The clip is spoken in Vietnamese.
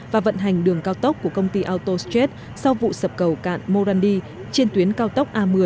và vận hành đường cao tốc của công ty autostrat sau vụ sập cầu cạn morandi trên tuyến cao tốc a một mươi